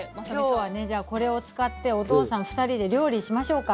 今日はねじゃあこれを使ってお父さん２人で料理しましょうか。